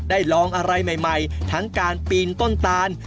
ลองอะไรใหม่ทั้งการปีนต้นตาน